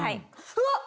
うわっ！